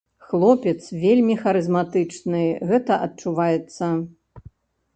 Хлопец вельмі харызматычны, гэта адчуваецца!